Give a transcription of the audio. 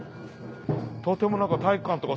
とても体育館とか